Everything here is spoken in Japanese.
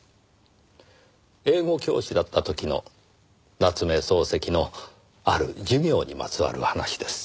英語教師だった時の夏目漱石のある授業にまつわる話です。